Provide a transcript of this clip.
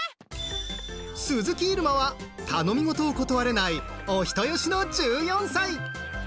鈴木入間は頼みごとを断れないお人よしの１４歳。